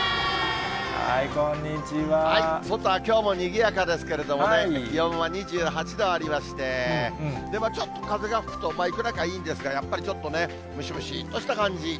外はきょうもにぎやかですけれども、気温は２８度ありまして、ちょっと風が吹くと、いくらかいいんですが、やっぱりちょっとね、ムシムシっとした感じ。